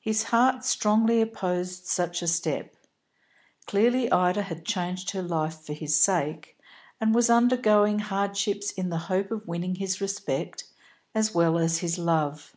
His heart strongly opposed such a step. Clearly Ida had changed her life for his sake, and was undergoing hardships in the hope of winning his respect as well as his love.